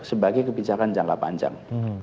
sebagai kebijakan jangka panjang